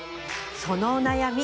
そのお悩み